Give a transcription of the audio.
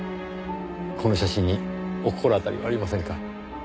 この写真にお心当たりはありませんか？